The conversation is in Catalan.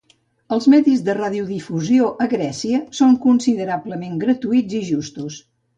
Els medis de radiodifusió a Grècia són considerablement gratuïts i justos.